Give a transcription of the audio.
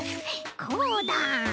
こうだ。